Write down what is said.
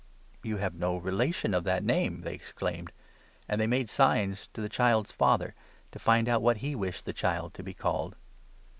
" You have no relation of that name !" they exclaimed ; and 61, they made signs to the •child's father, to find out what he wished the child to be called.